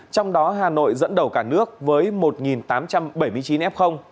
trong đó hà nội dẫn đầu cả nước với một tám trăm bảy mươi chín f